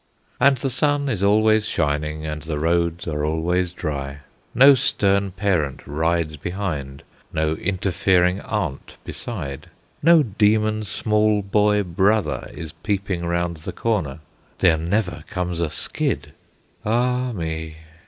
And the sun is always shining and the roads are always dry. No stern parent rides behind, no interfering aunt beside, no demon small boy brother is peeping round the corner, there never comes a skid. Ah me!